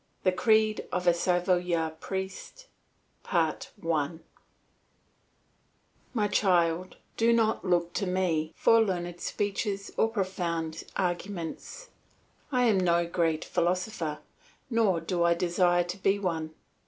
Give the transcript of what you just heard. THE CREED OF A SAVOYARD PRIEST My child, do not look to me for learned speeches or profound arguments. I am no great philosopher, nor do I desire to be one.